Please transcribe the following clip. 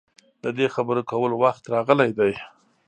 د دې خبرې کولو وخت راغلی دی.